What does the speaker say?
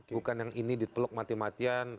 bukan yang ini dipeluk mati matian